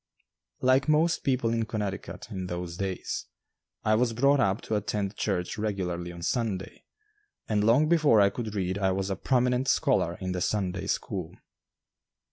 Like most people in Connecticut in those days, I was brought up to attend church regularly on Sunday, and long before I could read I was a prominent scholar in the Sunday school.